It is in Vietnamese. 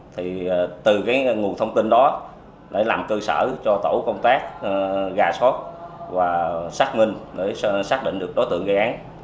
thì từ cái nguồn thông tin đó để làm cơ sở cho tổ công tác gà sót và xác minh để xác định được đối tượng gây án